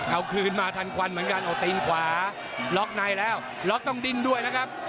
เอาคืนมาทันควันเหมือนกันเอาตีนขวาล็อกในแล้วล็อกต้องดิ้นด้วยนะครับ